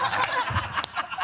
ハハハ